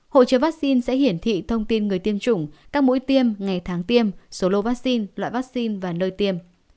hộ chứa vaccine sẽ hiển thị thông tin người tiêm chủng các mũi tiêm ngày tháng tiêm số lô vaccine loại vaccine và nơi tiêm